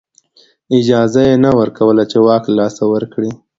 اجازه یې نه ورکوله چې واک له لاسه ورکړي